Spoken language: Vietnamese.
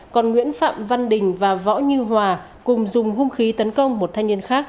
còn nguyễn phạm văn đình và võ như hòa cùng dùng hung khí tấn công một thanh niên khác